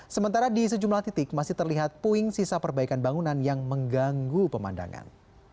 sementara di sejumlah titik masih terlihat puing sisa perbaikan bangunan yang mengganggu pemandangan